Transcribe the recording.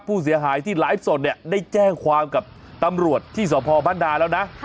ผู้เสียหายที่ไลฟ์สดเนี่ยได้แจ้งความกับตำรวจที่สพบ้านดาแล้วนะ